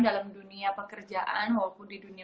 dalam dunia pekerjaan walaupun di dunia